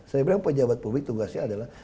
saya bilang pejabat publik tugasnya adalah